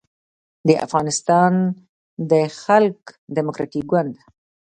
د افغانستان د خلق دیموکراتیک ګوند